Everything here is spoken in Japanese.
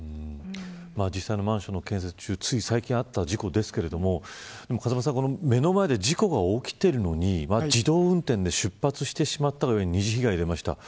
実際、マンションの建設中つい最近あった事故ですけれども風間さん目の前で事故が起きているのに自動運転で出発してしまって二次被害が出ました。